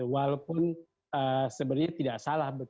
walaupun sebenarnya tidak salah